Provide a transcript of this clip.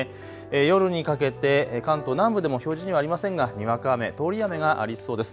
夜にかけて関東南部でも表示にはありませんがにわか雨、通り雨がありそうです。